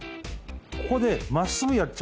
ここで。